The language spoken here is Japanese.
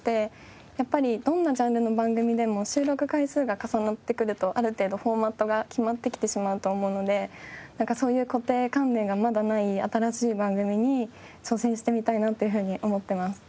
やっぱりどんなジャンルの番組でも収録回数が重なってくるとある程度フォーマットが決まってきてしまうと思うのでそういう固定観念がまだない新しい番組に挑戦してみたいなというふうに思っています。